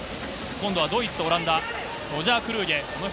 今度はドイツとオランダ。